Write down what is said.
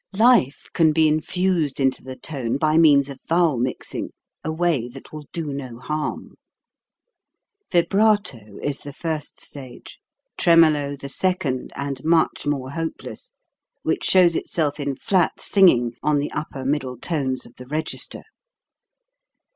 Life can be infused into the tone by means of vowel mixing, a way that will do no harm. Vibrato is the first stage, tremolo the second and much more hopeless, which shows itself in flat singing on the upper middle tones of the register.